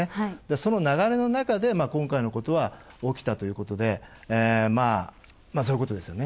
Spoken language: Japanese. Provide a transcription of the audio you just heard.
その流れの中で今回のことは起きたということでそういうことですよね。